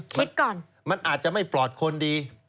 ก่อนมันอาจจะไม่ปลอดคนดี